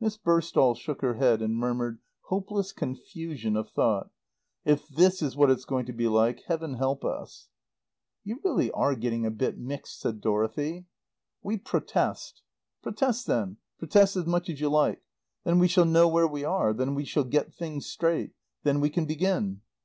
Miss Burstall shook her head and murmured, "Hopeless confusion of thought. If this is what it's going to be like, Heaven help us!" "You really are getting a bit mixed," said Dorothy. "We protest " "Protest then; protest as much as you like. Then we shall know where we are; then we shall get things straight; then we can begin.